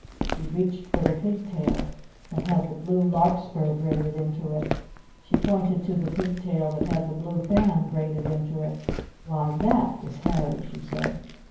She reached for the pig tail that had the blue Larkspur braided into it. She pointed to the pig tail that had the blue fan braided into it. "Why, that is Harry!" she said.